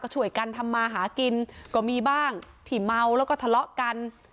ช่วยกันทำมาหากินก็มีบ้างที่เมาแล้วก็ทะเลาะกัน